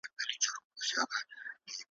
زه د باد په مخ کي شګوفه یمه رژېږمه `